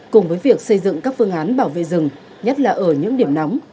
cùng với việc xây dựng các phương án bảo vệ rừng nhất là ở những điểm nóng